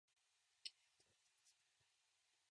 懸念を抱かざるを得ない